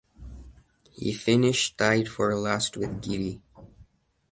He finished tied for last with Giri.